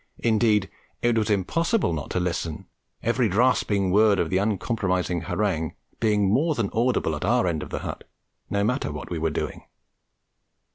Indeed, it was impossible not to listen, every rasping word of the uncompromising harangue being more than audible at our end of the hut, no matter what we were doing.